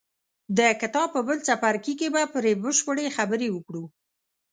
د کتاب په بل څپرکي کې به پرې بشپړې خبرې وکړو.